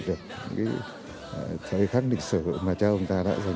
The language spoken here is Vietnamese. những thời khắc định sử mà cha ông ta đã dân